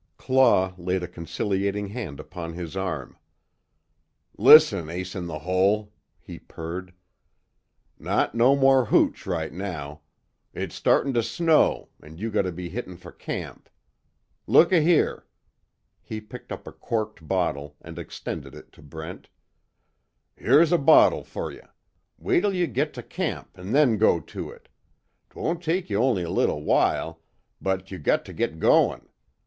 Claw laid a conciliating hand upon his arm: "Listen, Ace In The Hole," he purred, "Not no more hooch right now. It's startin' to snow, an' you got to be hittin' fer camp. Look a here," he picked up a corked bottle and extended it to Brent, "Here's a bottle fer you. Wait till you git to camp, and then go to it. 'Twon't take you only a little while but you got to git goin'.